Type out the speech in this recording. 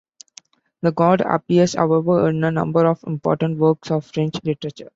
The god appears, however, in a number of important works of French literature.